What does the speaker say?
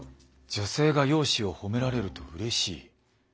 女性が容姿を褒められるとうれしい。